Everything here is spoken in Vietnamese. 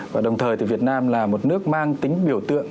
và đồng thời thì việt nam là một nước mang tính biểu tượng